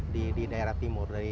di daerah timur